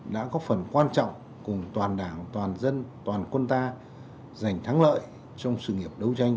đã có phần quan trọng cùng toàn đảng toàn dân toàn quân ta giành thắng lợi trong sự nghiệp đấu tranh